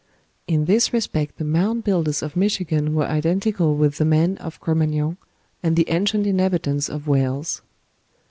In this respect the Mound Builders of Michigan were identical with the man of Cro Magnon and the ancient inhabitants of Wales.